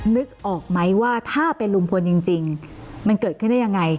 นึกออกไหมว่าถ้าเป็นลุงพลจริงมันเกิดขึ้นได้ยังไง